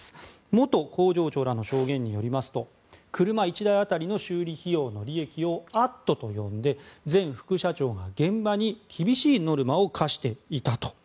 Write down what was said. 元工場長らの証言によりますと車１台当たりの修理費用の利益を「＠」と呼んで前副社長が現場に厳しいノルマを課していたと。